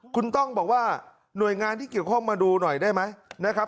คุณต้องบอกว่าหน่วยงานที่เกี่ยวข้องมาดูหน่อยได้ไหมนะครับ